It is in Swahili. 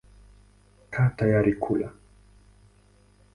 Kaa tayari kula.